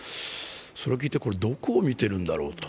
それを聞いて、どこを見てるんだろうと。